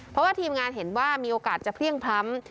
เพราะว่าทีมงานเห็นว่ามีโอกาสจะเพลี่ยงพล้ำ